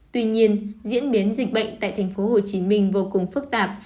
tuy nhiên diễn biến dịch bệnh tại thành phố hồ chí minh vô cùng phức tạp